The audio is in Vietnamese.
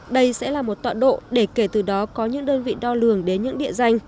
đây sẽ là một tọa độ để kể từ đó có những đơn vị đo lường đến những địa danh